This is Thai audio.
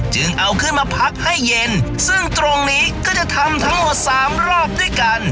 จึงเอาขึ้นมาพักให้เย็นซึ่งตรงนี้ก็จะทำทั้งหมดสามรอบด้วยกัน